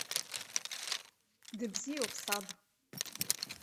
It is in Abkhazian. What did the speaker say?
Дыбзиоуп саб!